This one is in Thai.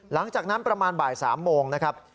หลังจากนั้นประมาณบ่าย๓โมงนะครับ